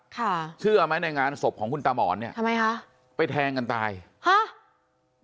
ค่ะเชื่อไหมในงานศพของคุณตาหมอนเนี่ยทำไมคะไปแทงกันตายฮะ